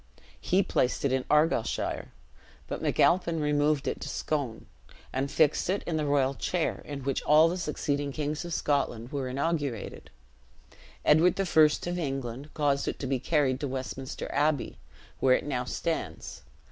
He placed it in Argyleshire; but MacAlpine removed it to Scone, and fixed it in the royal chair in which all the succeeding kings of Scotland were inaugurated. Edward I. of England caused it to be carried to Westminster Abbey, where it now stands.